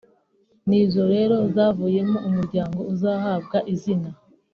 nizo rero zavuyemo umuryango uzahabwa izina